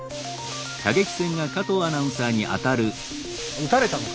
撃たれたのか。